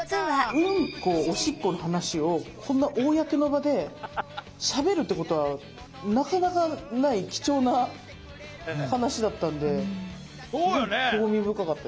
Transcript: ウンコ・オシッコの話をこんな公の場でしゃべるってことはなかなかない貴重な話だったんですごい興味深かったです。